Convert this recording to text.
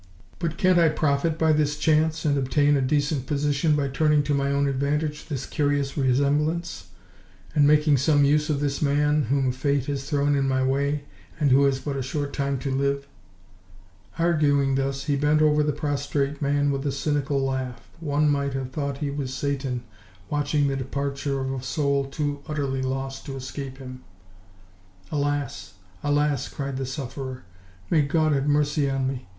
But can't I profit by this chance, and obtain a decent position by turning to my own advantage this curious resemblance, and making some use of this man whom Fate has thrown in my way, and who has but a short time to live?" Arguing thus, he bent over the prostrate man with a cynical laugh: one might have thought he was Satan watching the departure of a soul too utterly lost to escape him. "Alas! alas!" cried the sufferer; "may God have mercy on me!